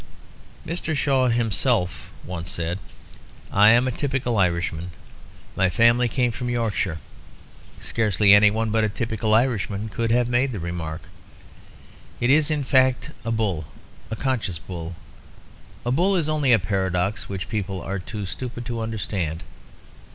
Mr. Shaw himself said once, "I am a typical Irishman; my family came from Yorkshire." Scarcely anyone but a typical Irishman could have made the remark. It is in fact a bull, a conscious bull. A bull is only a paradox which people are too stupid to understand.